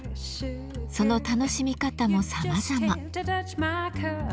その楽しみ方もさまざま。